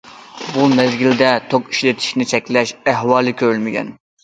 بۇ مەزگىلدە توك ئىشلىتىشنى چەكلەش ئەھۋالى كۆرۈلمىگەن.